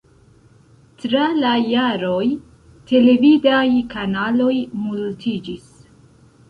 Tra la jaroj, televidaj kanaloj multiĝis.